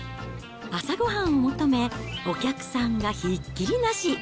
朝ごはんを求め、お客さんがひっきりなし。